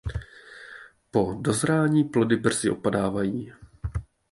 Po dozrání plody brzy opadávají.